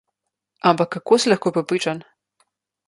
Ampak kako si lahko prepričan?